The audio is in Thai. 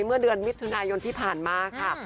เมื่อเดือนมิถุนายนที่ผ่านมาค่ะ